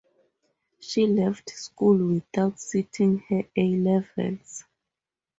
She left school without sitting her A levels.